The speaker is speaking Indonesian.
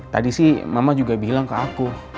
tadi sih mama juga bilang ke aku